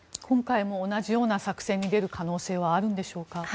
今回も同じような作戦に出る可能性はあるんでしょうか。